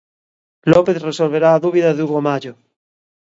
López resolverá a dúbida de Hugo Mallo.